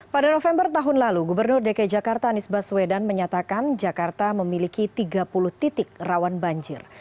pada november tahun lalu gubernur dki jakarta anies baswedan menyatakan jakarta memiliki tiga puluh titik rawan banjir